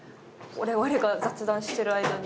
我々が雑談してる間に。